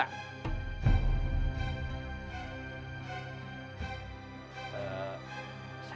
bersama pak haji